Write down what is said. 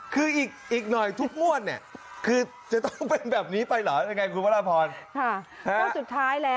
คืออีกหน่อยทุกงวดนี่คือจะต้องเป็นแบบนี้ไปหรือยังไงครับพระราภร